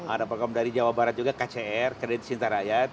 ada program dari jawa barat juga kcr kredit sintar rakyat